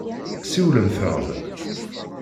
Siwlemt-aɣ-d.